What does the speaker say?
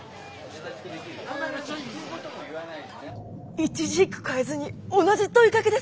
一字一句変えずに同じ問いかけです。